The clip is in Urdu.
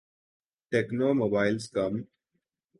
techno mobiles come